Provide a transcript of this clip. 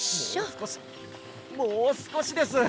もうすこしもうすこしです。